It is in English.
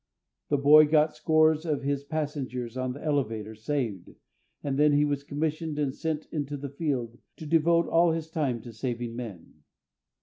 The boy got scores of his passengers on the elevator saved, and then he was commissioned and sent into the Field to devote all his time to saving men.